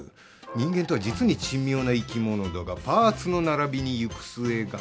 人間とは実に珍妙な生き物だがパーツの並びに行く末が。